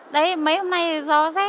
đấy mấy hôm nay do rác rác